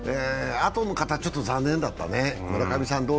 あとの方はちょっと残念だったね。